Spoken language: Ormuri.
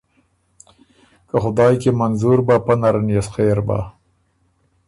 که خدایٛ کی منظور بۀ، پۀ نرن يې سو خېر بۀ۔